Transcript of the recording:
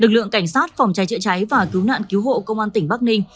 lực lượng cảnh sát phòng cháy chữa cháy và cứu nạn cứu hộ công an tỉnh bắc ninh